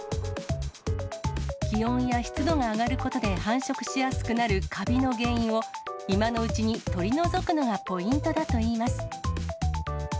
気温や湿度が上がることで繁殖しやすくなるかびの原因を、今のうちに取り除くのがポイントだといいます。